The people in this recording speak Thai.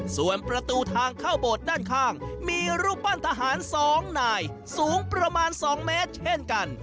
ส่วนประตูทางเข้าโบสถ์ด้านข้างมีรูปปั้นทหาร๒นายสูงประมาณ๒เมตรเช่นกัน